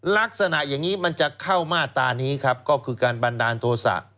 ลักษณะอย่างนี้มันจะเข้ามาตรานี้ครับก็คือการบันดาลโทษะ